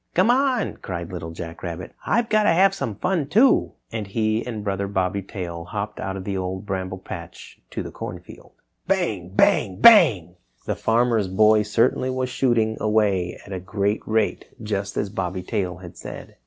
"Come on!" cried Little Jack Rabbit, "I've got to have some fun, too!" And he and Brother Bobby Tail hopped out of the Old Bramble Patch to the Corn Field. Bang! Bang! Bang! The Farmer's Boy certainly was shooting away at a great rate, just as Bobby Tail had said.